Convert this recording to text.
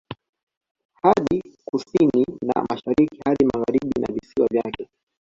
Hadi Kusini na Mashariki hadi Magharibi na visiwa vyake